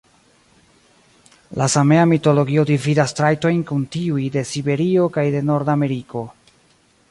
La Samea mitologio dividas trajtojn kun tiuj de Siberio kaj de Nordameriko.